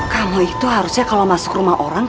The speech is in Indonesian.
kamu itu harusnya kalau masuk rumah orang